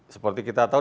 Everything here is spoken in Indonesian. seperti kita tahu